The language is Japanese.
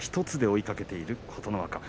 １つで追いかけている琴ノ若。